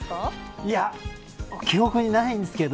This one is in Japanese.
いや記憶にないんですけど